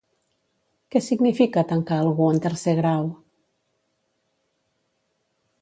Què significa tancar algú en tercer grau?